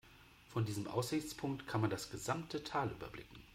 Von diesem Aussichtspunkt kann man das gesamte Tal überblicken.